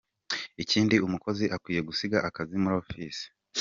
Ikindi umukozi akwiye gusiga akazi muri office”.